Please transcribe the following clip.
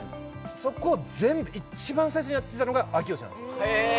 そこを全部一番最初にやってたのが明慶なんです・へえ